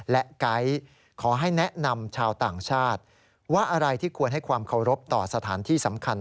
และไก๊ขอให้แนะนำชาวต่างชาติว่าอะไรที่ควรให้ความเคารพต่อสถานที่สำคัญ